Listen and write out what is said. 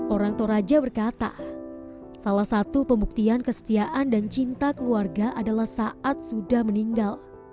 orang toraja berkata salah satu pembuktian kesetiaan dan cinta keluarga adalah saat sudah meninggal